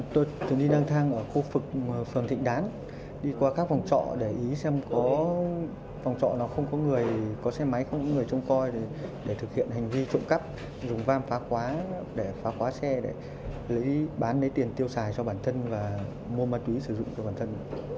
tôi thường đi lang thang ở khu vực phường thịnh đán đi qua các phòng trọ để ý xem có phòng trọ không có người có xe máy không có người trông coi để thực hiện hành vi trộm cắp dùng vam phá khóa để phá khóa xe để lấy bán lấy tiền tiêu xài cho bản thân và mua ma túy sử dụng cho bản thân